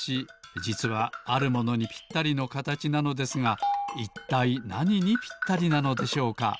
じつはあるものにぴったりのかたちなのですがいったいなににぴったりなのでしょうか？